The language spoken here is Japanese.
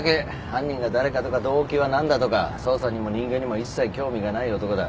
犯人が誰かとか動機は何だとか捜査にも人間にも一切興味がない男だ。